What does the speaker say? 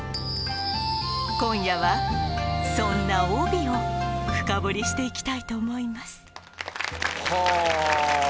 今夜はそんな帯を深掘りしていきたいと思いますはあ